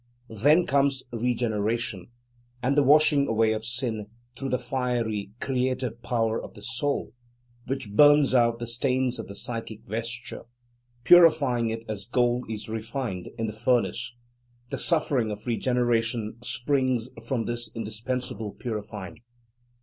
Then comes regeneration, and the washing away of sin, through the fiery, creative power of the Soul, which burns out the stains of the psychic vesture, purifying it as gold is refined in the furnace. The suffering of regeneration springs from this indispensable purifying.